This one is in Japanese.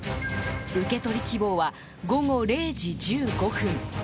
受け取り希望は午後０時１５分。